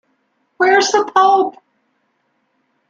Where's the Pope?